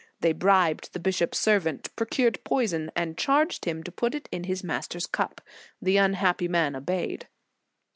They bribed the bishop s servant, pro cured poison and charged him to put it in his master s cup. The unhappy man obeyed.